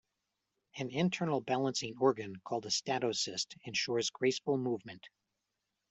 An internal balancing organ called a "statocyst" ensures graceful movement.